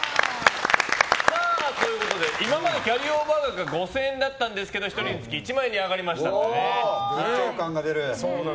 今までキャリーオーバー額が５０００円だったんですけど１人につき１万円に緊張感が出る。